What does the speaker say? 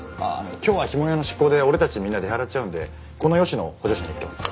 今日は碑文谷の執行で俺たちみんな出払っちゃうんでこの吉野を補助者につけます。